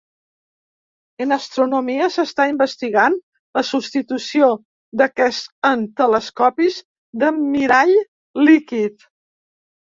En astronomia, s'està investigant la substitució d'aquest en telescopis de mirall líquid.